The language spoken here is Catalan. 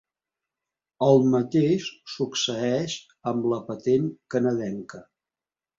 El mateix succeeix amb la patent canadenca.